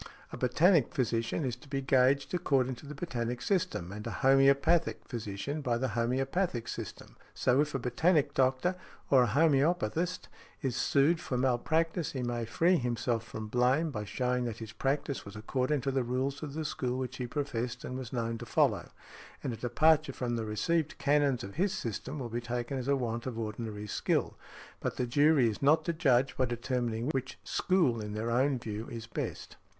A botanic physician is to be gauged according to the botanic system, and a homœopathic physician by the homœopathic system: so if a botanic doctor, or a homœopathist, is sued for malpractice he may free himself from blame by showing that his practice was according to the rules of the school which he professed and was known to follow, and a departure from the received canons of his system will be taken as a want of ordinary skill. But the jury is not to judge by determining which school in their own view is best .